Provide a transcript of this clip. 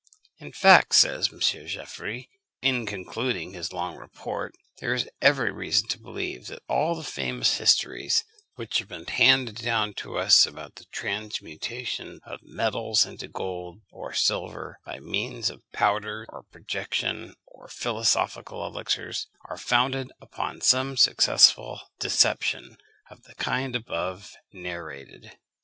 In fact, says M. Geoffroy, in concluding his long report, there is every reason to believe that all the famous histories which have been handed down to us about the transmutation of metals into gold or silver, by means of the powder of projection or philosophical elixirs, are founded upon some successful deception of the kind above narrated.